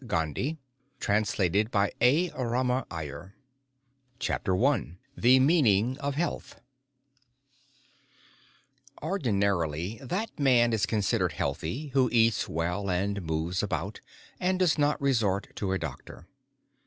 M. K. GANDHI. A GUIDE TO HEALTH CHAPTER I THE MEANING OF HEALTH Ordinarily that man is considered healthy who eats well and moves about, and does not resort to a doctor.